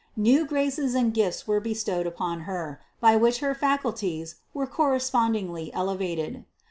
New graces and gifts were bestowed upon Her, by which her faculties were correspondingly elevated.